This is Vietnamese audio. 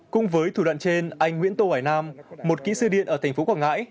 cùng với thủ đoạn trên anh nguyễn tô hải nam một kỹ sư điện ở thành phố quảng ngãi